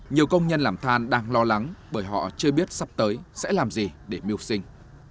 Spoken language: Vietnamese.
nhiều công nhân làm than đang lo lắng bởi họ chưa biết sắp tới sẽ làm gì để mưu sinh